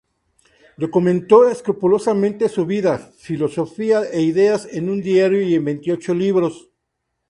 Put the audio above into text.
Documentó escrupulosamente su vida, filosofía e ideas en un diario y en veintiocho libros.